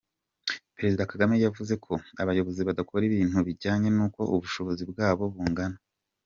Perezida Kagame yavuze ko abayobozi badakora ibintu bijyanye n’uko ubushobozi bwabo bungana.